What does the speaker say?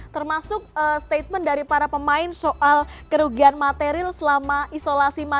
termasuk statement dari para pemain soal kerugian material selama isolasi mandiri